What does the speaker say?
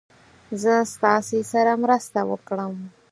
زه ستاسې سره مرسته وکړم.